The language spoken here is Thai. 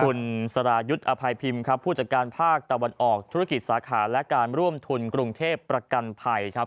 คุณสรายุทธ์อภัยพิมพ์ครับผู้จัดการภาคตะวันออกธุรกิจสาขาและการร่วมทุนกรุงเทพประกันภัยครับ